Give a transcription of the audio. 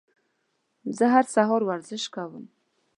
زه هر سهار ورزش کوم.